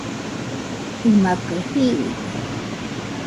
imakɨ jiude